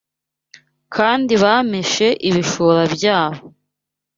kandi bameshe ibishura byabo